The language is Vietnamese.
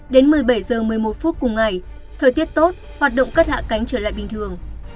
đến một mươi bảy h một mươi một phút cùng ngày thời tiết tốt hoạt động cất hạ cánh trở lại bình thường